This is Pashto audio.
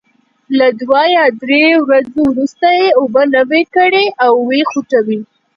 له دوه یا درې ورځو وروسته یې اوبه نوي کړئ او وې خوټوئ.